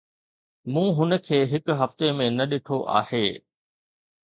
مون هن کي هڪ هفتي ۾ نه ڏٺو آهي.